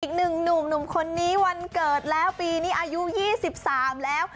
อีกหนึ่งหนุ่มคนนี้วันเกิดแล้วปีนี้อายุ๒๓แล้ว